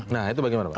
nah itu bagaimana pak